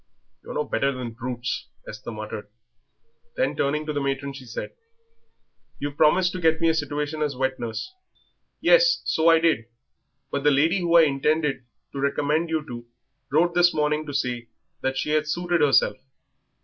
"You're no better than brutes," Esther muttered. Then, turning to the matron, she said, "You promised to get me a situation as wet nurse." "Yes, so I did, but the lady who I intended to recommend you to wrote this morning to say that she had suited herself."